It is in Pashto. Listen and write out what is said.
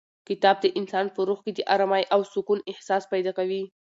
کتاب د انسان په روح کې د ارامۍ او سکون احساس پیدا کوي.